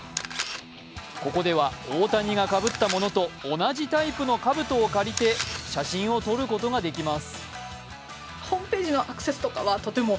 ここでは大谷がかぶったものと同じタイプのかぶとを借りて写真を撮ることができます。